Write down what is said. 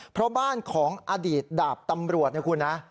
เพราะบ้านของอดีตดาบตำรวจนะคุณนะ